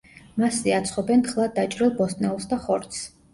მასზე აცხობენ თხლად დაჭრილ ბოსტნეულს და ხორცს.